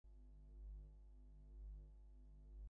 ডেকের উপরে হাত লাগাও সবাই!